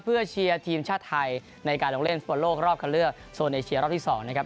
เพื่อเชียร์ทีมชาติไทยในการลงเล่นฟุตบอลโลกรอบคันเลือกโซนเอเชียรอบที่๒นะครับ